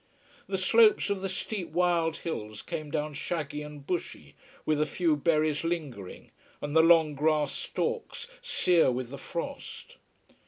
The slopes of the steep wild hills came down shaggy and bushy, with a few berries lingering, and the long grass stalks sere with the frost.